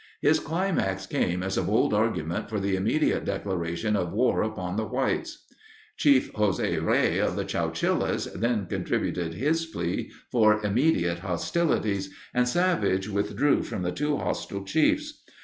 His climax came as a bold argument for the immediate declaration of war upon the whites. Chief José Rey of the Chowchillas then contributed his plea for immediate hostilities, and Savage withdrew before the two hostile chiefs.